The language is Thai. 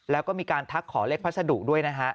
แล้วก็มีการทักขอเลขพัสดุด้วยนะฮะ